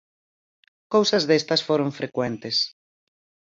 Cousas destas foron frecuentes.